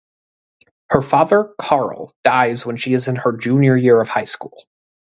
Her father, Carl, dies when she is in her junior year of high school.